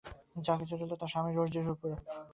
যা-কিছু রইল তা স্বামীর মর্জির উপরে।